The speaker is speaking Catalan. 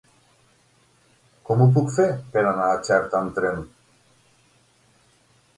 Com ho puc fer per anar a Xerta amb tren?